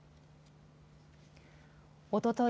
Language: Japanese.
おととい